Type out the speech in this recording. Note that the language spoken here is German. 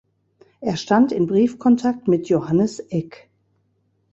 Er stand in Briefkontakt mit Johannes Eck.